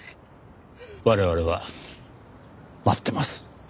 我々は待ってます。